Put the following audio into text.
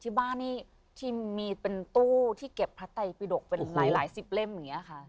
ที่บ้านนี่ที่มีเป็นตู้ที่เก็บพระไตปิดกเป็นหลายสิบเล่มอย่างนี้ค่ะ